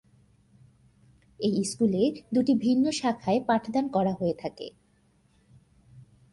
এই স্কুলে দুটি ভিন্ন শাখায় পাঠদান করা হয়ে থাকে।